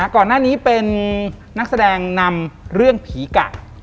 ก่อนหน้านี้เป็นนักแสดงนำเรื่องผีกะ